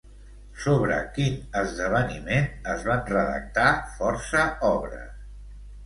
Sobre quin esdeveniment es van redactar força obres?